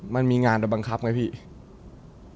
มันมีงานไปบังคับไงพี่